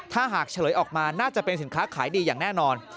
ถ้าหากเฉลยออกมาน่าจะเป็นสินค้าขายดีอย่างแน่นอน